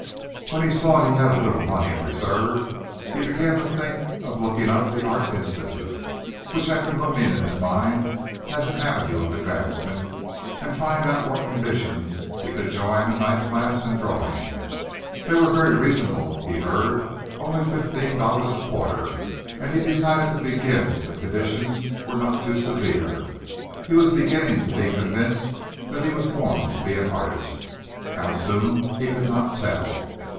When he saw he had a little money in reserve he began to think of looking up the Art Institute, which had been looming up in his mind as an avenue of advancement, and find out on what condition he could join a night class in drawing. They were very reasonable, he heard, only fifteen dollars a quarter, and he decided to begin if the conditions were not too severe. He was beginning to be convinced that he was born to be an artist how soon he could not tell.